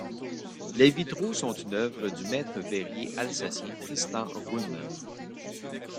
Les vitraux sont une œuvre du maître-verrier alsacien Tristan Ruhlmann.